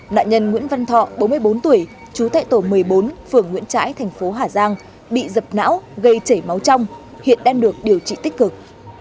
nạn nhân nguyễn văn thọ bốn mươi bốn tuổi chú tại tổ một mươi bốn phường nguyễn trãi thành phố hà giang bị dập não gây chảy máu trong hiện đang được điều trị tích cực